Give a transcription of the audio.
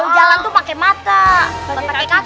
jalan tuh pakai mata pakai kaki